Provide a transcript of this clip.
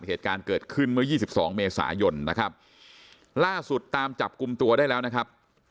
เหตุการณ์เกิดขึ้นเมื่อ๒๒เมษายนนะครับล่าสุดตามจับกลุ่มตัวได้แล้วนะครับ